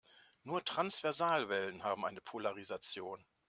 Nur Transversalwellen haben eine Polarisation.